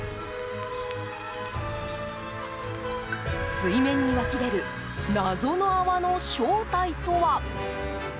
水面に湧き出る謎の泡の正体とは。